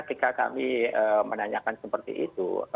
ketika kami menanyakan seperti itu